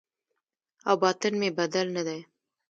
او باطن مې بدل نه دی